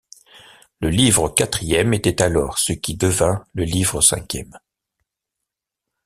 Le Livre quatrième était alors ce qui devint le Livre cinquième.